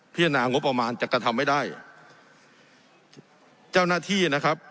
พิจารณางุมประมาณจะกระทำให้ได้เจ้าหน้าที่นะครับ